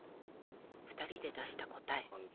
［２人で出した答え］